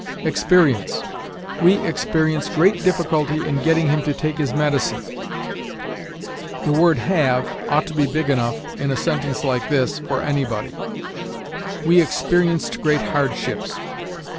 EXPERIENCE. "We experience great difficulty in getting him to take his medicine." The word have ought to be big enough, in a sentence like this, for anybody. "We experienced great hardships."